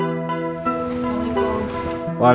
saya mau berangkat